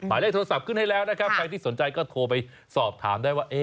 หมายเลขโทรศัพท์ขึ้นให้แล้วนะครับใครที่สนใจก็โทรไปสอบถามได้ว่า